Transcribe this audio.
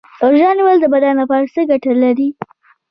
روژه نیول د بدن لپاره څه ګټه لري